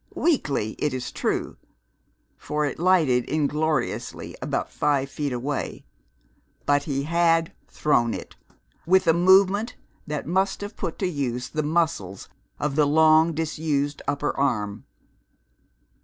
Weakly, it is true, for it lighted ingloriously about five feet away; but he had thrown it, with a movement that must have put to use the muscles of the long disused upper arm.